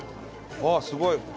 あすごい。